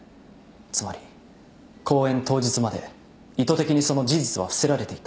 つまり公演当日まで意図的にその事実は伏せられていた。